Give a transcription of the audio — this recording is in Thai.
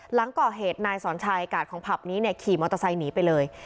หลังก่อเหตุนายสอนชัยกาดของผับนี้เนี่ยขี่มอเตอร์ไซค์หนีไปเลย